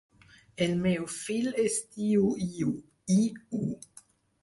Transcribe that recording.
El meu fill es diu Iu: i, u.